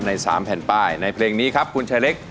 ๓แผ่นป้ายในเพลงนี้ครับคุณชายเล็ก